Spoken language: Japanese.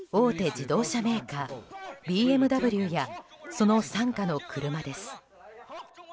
自動車メーカーＢＭＷやその傘下の車です。